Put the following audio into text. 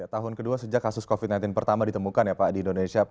tahun kedua sejak kasus covid sembilan belas pertama ditemukan ya pak di indonesia